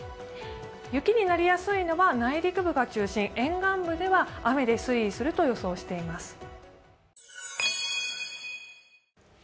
雪になりやすいのは内陸部が中心沿岸部では雨で推移すると予想しています。